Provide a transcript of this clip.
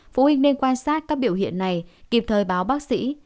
phụ huynh nên quan sát các biểu hiện này kịp thời báo bác sĩ